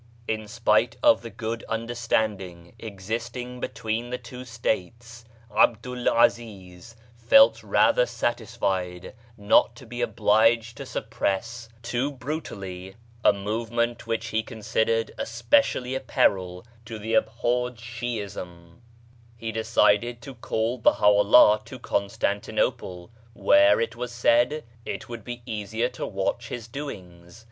In spite of the good understanding existing between the two States, 'Abdul 'Aziz felt rather satisfied not to be obliged to suppress too brutally a movement which BAGHDAD 63 he considered especially a peril to the abhorred Shiism ; he decided to call BahaVllah to Constantinople, where, it was said, it would be easier to watch his doings.